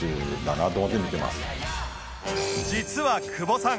実は久保さん